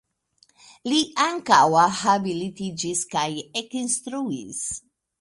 Li ankaŭ habilitiĝis kaj ekinstruis.